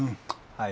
はい。